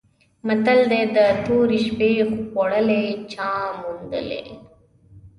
متل دی: د تورې شپې خوړلي چا موندلي؟